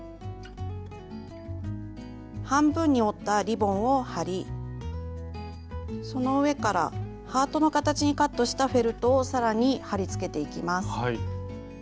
半分に折ったリボンを貼りその上からハートの形にカットしたフェルトを更に貼りつけていきます。